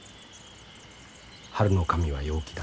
春の神は陽気だ。